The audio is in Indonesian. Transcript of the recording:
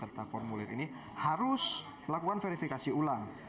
jadi ktp beserta formulir ini harus melakukan verifikasi ulang